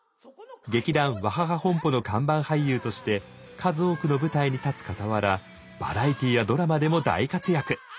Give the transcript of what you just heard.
劇団「ワハハ本舗」の看板俳優として数多くの舞台に立つかたわらバラエティーやドラマでも大活躍。